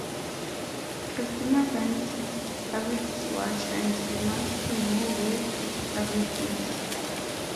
Kristina finds Arvid's watch and demands to know where Arvid is.